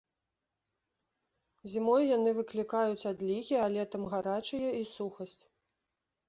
Зімой яны выклікаюць адлігі, а летам гарачыя і сухасць.